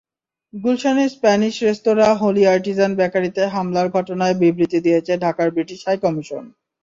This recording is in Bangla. গুলশানের স্প্যানিশ রেস্তোরাঁ হলি আর্টিজান বেকারিতে হামলার ঘটনায় বিবৃতি দিয়েছে ঢাকার ব্রিটিশ হাইকমিশন।